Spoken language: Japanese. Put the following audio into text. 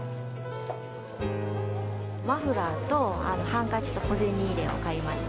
マフラーとハンカチと小銭入れを買いました。